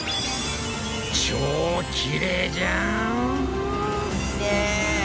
超きれいじゃん！いいね！